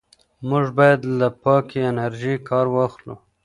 موږ باید له پاکې انرژۍ کار واخلو.